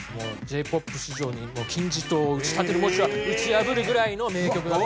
Ｊ−ＰＯＰ史上に金字塔を打ち立てるもしくは打ち破るぐらいの名曲だと僕は思います。